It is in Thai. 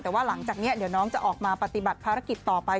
แต่ว่าหลังจากนี้เดี๋ยวน้องจะออกมาปฏิบัติภารกิจต่อไป